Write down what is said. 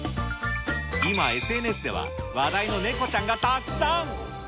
今、ＳＮＳでは、話題のネコちゃんがたくさん。